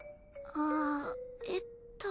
あえっと。